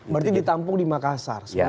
berarti ditampung di makassar